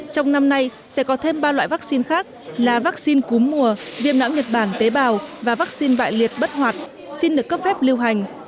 trong năm nay sẽ có thêm ba loại vắc xin khác là vắc xin cú mùa viêm não nhật bản tế bào và vắc xin bại liệt bất hoạt xin được cấp phép lưu hành